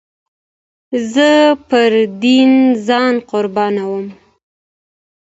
زه پر دين ځان قربانوم.